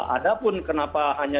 ada pun kenapa hanya